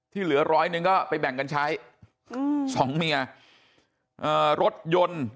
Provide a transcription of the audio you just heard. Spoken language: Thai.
เหลือร้อยหนึ่งก็ไปแบ่งกันใช้อืมสองเมียเอ่อรถยนต์